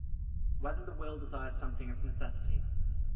1] Whether the Will Desires Something of Necessity?